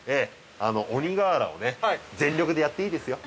鬼瓦を全力でやっていいですよ。